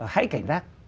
hãy cảnh giác